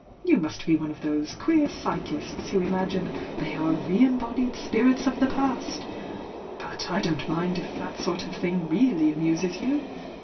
You niust be one of those queer psvchists who imagine thejr axe re embodied iirits o/the past but fdon t mmd if that sort o thing really amuses you!